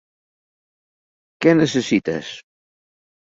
Què necessites?